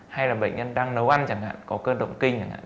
hay là bệnh nhân đang nấu ăn chẳng hạn có cơn động kinh chẳng hạn